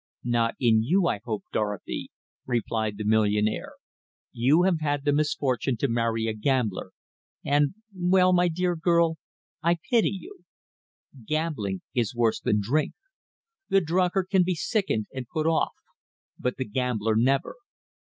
"Not in you, I hope, Dorothy," replied the millionaire. "You have had the misfortune to marry a gambler, and well, my dear girl I pity you. Gambling is worse than drink. The drunkard can be sickened and put off, but the gambler never.